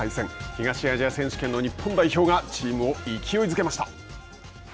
東アジア選手権の日本代表がチームを勢いづけました。